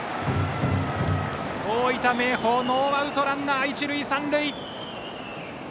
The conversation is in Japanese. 大分・明豊ノーアウトランナー、一塁三塁。